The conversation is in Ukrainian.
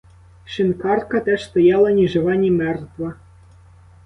Шинкарка теж стояла ні жива ні мертва.